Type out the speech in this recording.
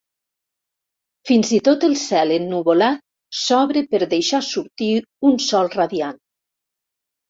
Fins i tot el cel ennuvolat s'obre per deixar sortir un sol radiant.